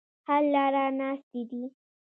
حل لاره ناستې دي.